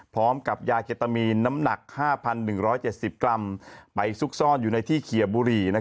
พร้อมกับยาเคตามีนน้ำหนัก๕๑๗๐กรัมไปซุกซ่อนอยู่ในที่เคียบุหรี่